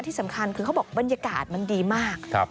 ที่สำคัญคือเขาบอกบรรยากาศมันดีมาก